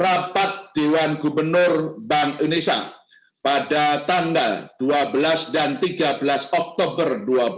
rapat dewan gubernur bank indonesia pada tanggal dua belas dan tiga belas oktober dua ribu dua puluh